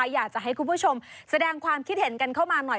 อยากจะให้คุณผู้ชมแสดงความคิดเห็นกันเข้ามาหน่อย